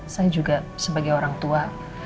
saya juga sebagai orang tua